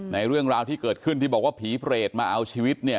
เรื่องราวที่เกิดขึ้นที่บอกว่าผีเปรตมาเอาชีวิตเนี่ย